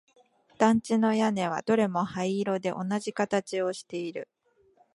団地の屋根はどれも灰色で同じ形をしている